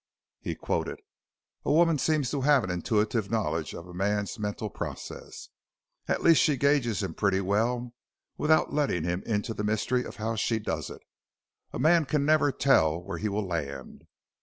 "' he quoted. "A woman seems to have an intuitive knowledge of man's mental processes. At least she gauges him pretty well without letting him into the mystery of how she does it. A man can never tell where he will land."